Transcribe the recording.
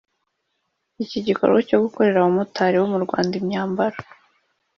“Iki gikorwa cyo gukorera abamotari bo mu Rwanda imyambaro